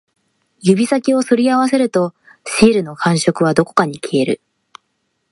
指先を擦り合わせると、シールの感触はどこかに消える